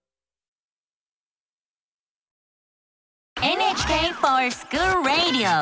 「ＮＨＫｆｏｒＳｃｈｏｏｌＲａｄｉｏ」！